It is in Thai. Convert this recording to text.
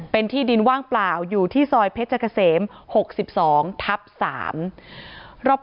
เป็นที่ดินว่างเปล่าอยู่ที่ซอยเพชรเกษม๖๒ทับ๓